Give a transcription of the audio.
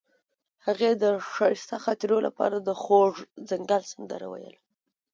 هغې د ښایسته خاطرو لپاره د خوږ ځنګل سندره ویله.